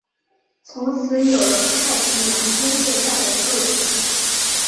从此有了太平洋工业带的构想。